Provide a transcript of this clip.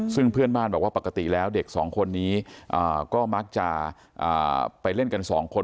ซึ่งเพื่อนบ้านบอกว่าปกติแล้วเด็กสองคนนี้ก็มักจะไปเล่นกันสองคน